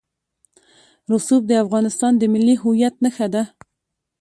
رسوب د افغانستان د ملي هویت نښه ده.